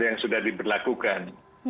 yang sudah diberlakukan